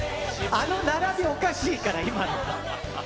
あの並び、おかしいから。